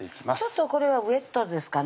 ちょっとこれはウエットですかね